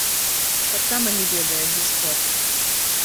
Таксама не ведае, дзе сход.